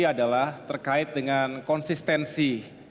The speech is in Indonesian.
adalah terkait dengan konsistensi